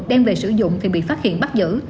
đem về sử dụng thì bị phát hiện bắt giữ